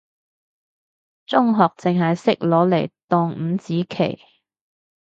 中學淨係識攞嚟當五子棋，